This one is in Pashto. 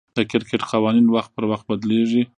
د کرکټ قوانين وخت پر وخت بدليږي.